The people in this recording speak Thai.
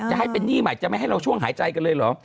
จะให้เป็นหนี้ใหม่จะไม่ให้เราช่วงหายใจกันเลยเหรอ